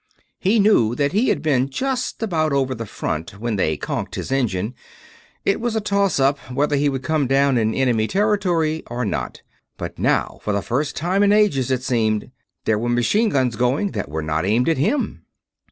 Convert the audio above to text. He knew that he had been just about over the front when they conked his engine; it was a toss up whether he would come down in enemy territory or not. But now, for the first time in ages, it seemed, there were machine guns going that were not aimed at him!